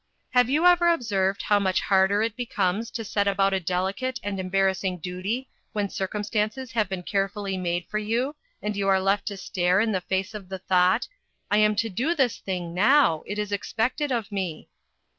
Have you ever observed how much harder it becomes to set about a delicate and em barrassing duty when circumstances have been carefully made for you, and you are left to stare in the face the thought " I am to do this thing, now; it is expected of me?"